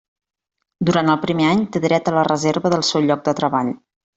Durant el primer any té dret a la reserva del seu lloc de treball.